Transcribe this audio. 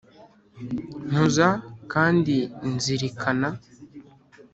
Nkuza kandi nzirikana